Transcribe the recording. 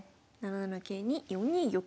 ７七桂に４二玉。